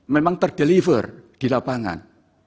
memang ter deliver di lapangan